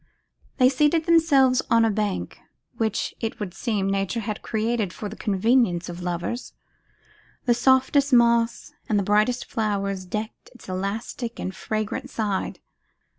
They seated themselves on a bank, which, it would seem, Nature had created for the convenience of lovers. The softest moss, and the brightest flowers decked its elastic and fragrant side.